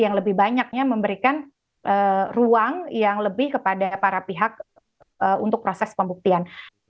yang lebih banyaknya memberikan ruang yang lebih kepada para pihak untuk proses pembuktian